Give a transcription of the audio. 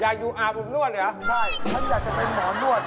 อยากอยู่อาบอุบนวรรณเหรอไม่